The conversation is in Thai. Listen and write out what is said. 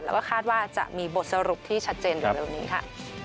แล้วก็คาดว่าจะมีบทสรุปที่ชัดเจนเร็วนี้ค่ะ